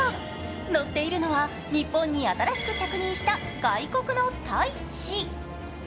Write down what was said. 乗っているのは日本に新しく着任した外国の大使。